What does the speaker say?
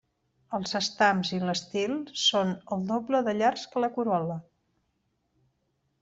Els estams i l'estil són el doble de llargs que la corol·la.